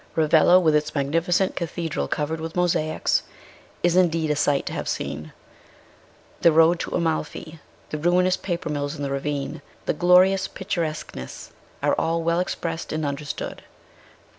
Ravello, with its magnificent cathedral covered with mosaics, is indeed a sight to have seen ; 230 MRS. SHELLEY. the road to Amalfi, the ruinous paper mills in the ravine, the glorious picturesqueness, are all veil ex pressed and understood.